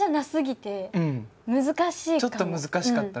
ちょっと難しかったね。